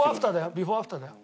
ビフォーアフターだよ。